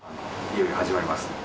いよいよ始まりますね。